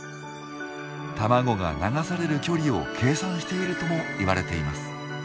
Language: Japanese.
卵が流される距離を計算しているともいわれています。